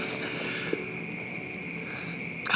kalau misalnya kamu jauh jauh dari papi kamu